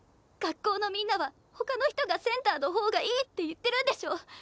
学校のみんなは他の人がセンターの方がいいって言ってるんでしょ。